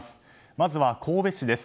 まずは神戸市です。